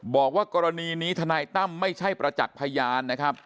บอกว่ากรณีนี้ทนายตั้มไม่ใช่ประจักษ์พยานนะครับ